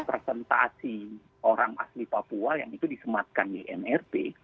presentasi orang asli papua yang itu disematkan di mrp